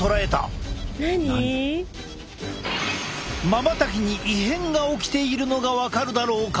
まばたきに異変が起きているのが分かるだろうか。